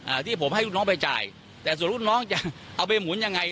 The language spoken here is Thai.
ที่ผมให้ลูกน้องไปจ่ายแต่ส่วนลูกน้องจะเอาไปหมุนยังไง